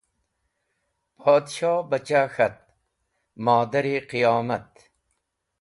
Podshohbachah k̃hat: Modar-e qiyomat!